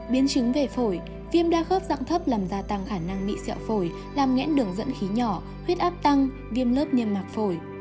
biến chứng về phổi viêm đa khớp dạng thấp làm gia tăng khả năng bị xẹo phổi làm ngẽn đường dẫn khí nhỏ huyết áp tăng viêm lớp niêm mạc phổi